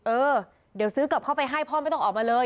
เออเดี๋ยวซื้อกลับเข้าไปให้พ่อไม่ต้องออกมาเลย